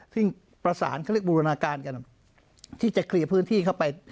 ซึ่งประสานเขาเรียกบูรณาการกันที่จะเคลียร์พื้นที่เข้าไป